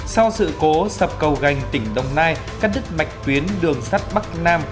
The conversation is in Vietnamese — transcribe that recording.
sau sự cố sập cầu gành tỉnh đồng nai cắt đứt mạch tuyến đường sắt bắc nam